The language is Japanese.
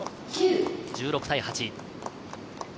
１６対８。